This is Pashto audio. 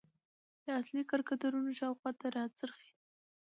د اصلي کرکترونو شاخواته راڅرخي .